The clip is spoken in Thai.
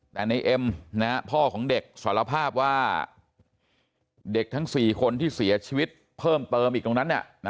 แต่ในเอ็มพ่อของเด็กสารภาพว่าเด็กทั้ง๔คนที่เสียชีวิตเพิ่มเติมอีกตรงนั้น